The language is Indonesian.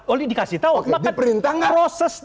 oleh dikasih tahu maka proses